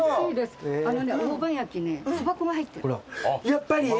やっぱり？